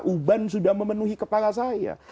uban sudah memenuhi kepala saya